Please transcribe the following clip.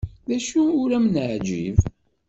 D acu ur am-neɛǧib?